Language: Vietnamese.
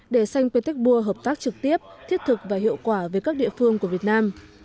để sanh pétek bua hợp tác trực tiếp thiết thực và hiệu quả với các địa phương của việt nam